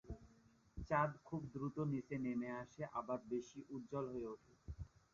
চাঁদ খুব দ্রুত নিচে নেমে আসে, আরও বেশি উজ্জ্বল হয়ে ওঠে।